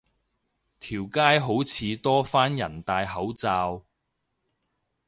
條街好似多返人戴口罩